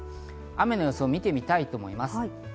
雨の予想を見てみたいと思います。